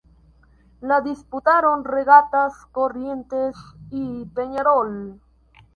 La disputaron Regatas Corrientes y Peñarol.